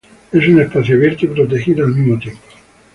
Es un espacio abierto y protegido al mismo tiempo.